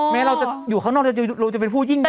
แม้เราจะอยู่ข้างนอกเราจะเป็นผู้ยิ่งใหญ่